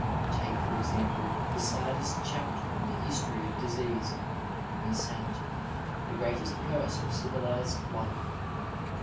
Take, for example, the saddest chapter in the history of disease — insanity, the greatest curse of civilized life.